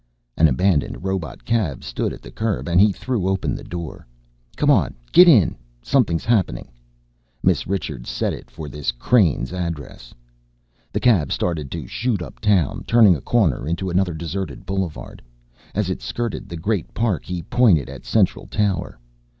An abandoned robot cab stood at the curb and he threw open the door. "Come on, get in! Something's happening. Miss Richards, set it for this Crane's address." The cab started to shoot uptown, turning a corner into another deserted boulevard. As it skirted the great Park, he pointed at Central Tower.